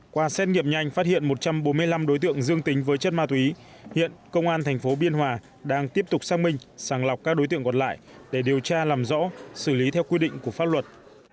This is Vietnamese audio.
qua xét nghiệm nhanh phát hiện một trăm bốn mươi năm đối tượng dương tính với chất ma túy hiện công an thành phố biên hòa đang tiếp tục xác minh sàng lọc các đối tượng còn lại để điều tra làm rõ xử lý theo quy định của pháp luật